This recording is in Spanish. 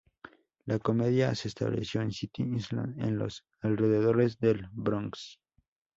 La comedia se estableció en City Island, en los alrededores de El Bronx.